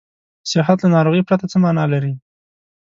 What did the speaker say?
صحت له ناروغۍ پرته څه معنا لري.